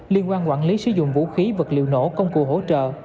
liên quan quản lý sử dụng vũ khí vật liệu nổ công cụ hỗ trợ